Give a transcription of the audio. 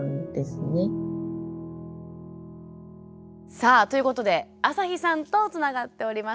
さあということであさひさんとつながっております。